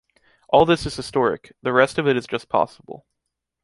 All this is historic: the rest of it is just possible.